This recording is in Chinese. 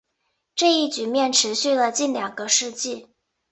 这一局面持续了近两个世纪。